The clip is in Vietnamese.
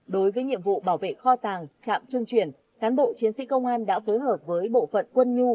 đối với nhiệm vụ bảo vệ kho tàng trạm trung chuyển cán bộ chiến sĩ công an đã phối hợp với bộ phận quân nhu